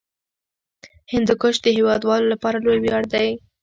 هندوکش د هیوادوالو لپاره لوی ویاړ دی.